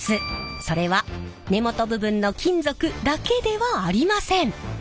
それは根元部分の金属だけではありません。